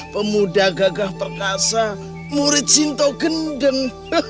pemuda gagah perkasa murid sinto gendeng